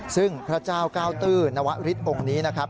ซึ่งพระเจ้าเก้าตื้อนวริสองค์นี้นะครับ